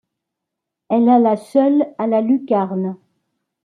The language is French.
Elle alla seule à la lucarne.